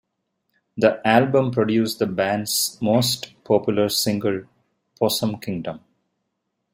The album produced the band's most popular single, "Possum Kingdom".